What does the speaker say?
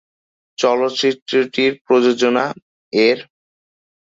চলচ্চিত্রটির প্রযোজনা -এর।